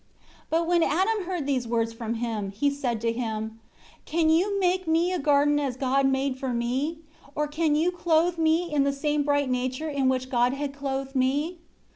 3 But when Adam heard these words from him, he said to him, "Can you make me a garden as God made for me? Or can you clothe me in the same bright nature in which God had clothed me?